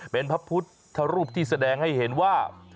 เป็นพระพุทธรูปที่แสดงให้เห็นว่า